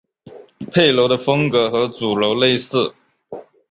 配楼的风格和主楼类似。